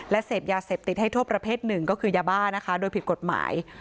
เสพยาเสพติดให้โทษประเภทหนึ่งก็คือยาบ้านะคะโดยผิดกฎหมาย